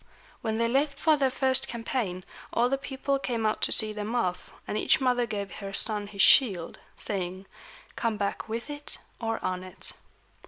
When they left for their first campaign, all the people came out to see them off, and each mother gave her son his shield, saying, "Come back with it or on it."